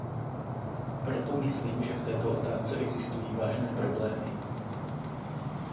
Proto myslím, že v této otázce existují velmi vážné problémy.